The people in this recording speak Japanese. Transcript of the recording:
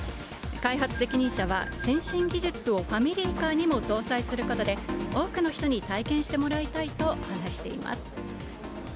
開発責任者は、先進技術をファミリーカーにも搭載することで、多くの人に体験してもらいたいと話しています。